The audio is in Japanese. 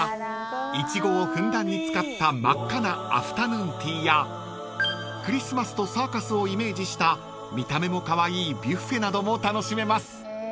イチゴをふんだんに使った真っ赤なアフタヌーンティーやクリスマスとサーカスをイメージした見た目もカワイイビュッフェなども楽しめます］